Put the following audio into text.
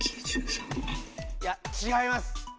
いや違います。